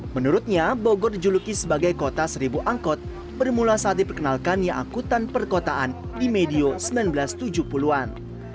menurutnya bogor dijuluki sebagai kota seribu angkot bermula saat diperkenalkannya angkutan perkotaan di medio seribu sembilan ratus tujuh puluh an